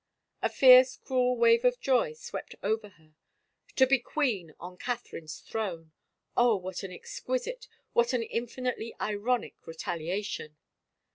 ... A fierce, cruel wave of joy swept over. To be queen on Catherine's throne — Oh, what an exquisite, what an infinitely ironic retaliation!